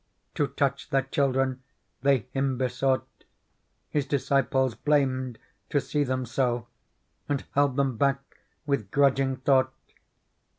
To touch their children they Him besought. His disciples blamed to see them so. And held them back, with grudging thought.